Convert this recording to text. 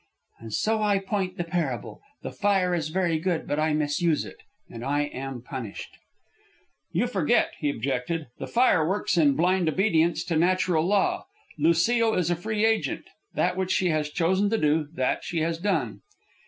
"And so I point the parable. The fire is very good, but I misuse it, and I am punished." "You forget," he objected. "The fire works in blind obedience to natural law. Lucile is a free agent. That which she has chosen to do, that she has done."